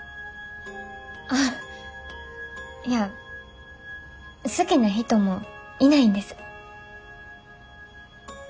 あっいや好きな人もいないんです。